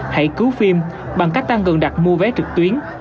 hãy cứu phim bằng cách tăng gần đặt mua vé trực tuyến